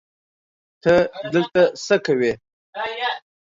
ته دلته څه کوی